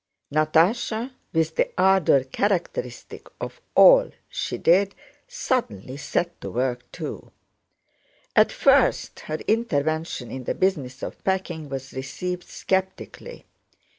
Natásha, with the ardor characteristic of all she did suddenly set to work too. At first her intervention in the business of packing was received skeptically.